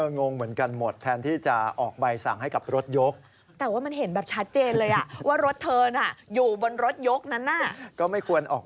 งงเหมือนกันหมดแทนที่จะ